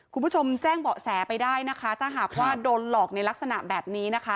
คุณผู้ชมแจ้งเบาะแสไปได้นะคะถ้าหากว่าโดนหลอกในลักษณะแบบนี้นะคะ